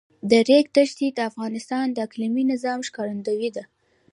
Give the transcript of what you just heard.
د ریګ دښتې د افغانستان د اقلیمي نظام ښکارندوی ده.